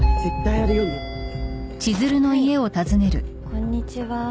こんにちは。